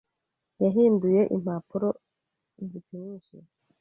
yahinduye impapuro zipimishije.